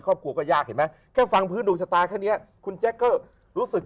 ครอบครัวก็ยากเห็นไหมแค่ฟังพื้นดวงชะตาแค่นี้คุณแจ็คก็รู้สึก